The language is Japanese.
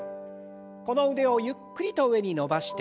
この腕をゆっくりと上に伸ばして。